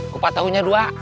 kupat taunya dua